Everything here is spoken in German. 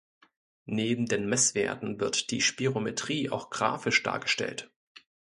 Neben den Messwerten wird die Spirometrie auch graphisch dargestellt.